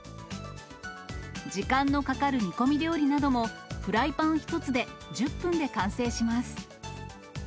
時間のかかる煮込み料理なども、フライパン１つで１０分で完成します。